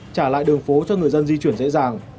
trả lại đường phố cho người dân di chuyển dễ dàng